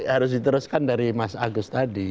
harus diteruskan dari mas agus tadi